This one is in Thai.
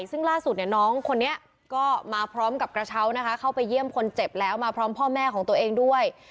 ซึ่งล่าสุดเนี่ยน้องคนนี้ก็มาพร้อมกับกระเช้านะคะเข้าไปเยี่ยมคนเจ็บแล้วมาพร้อมพ่อแม่ของตัวเองด้วย